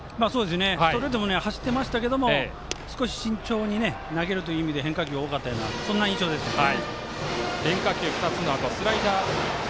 ストレートも走ってましたけど少し慎重に投げるという意味で変化球が多かったようなそんな印象ですね。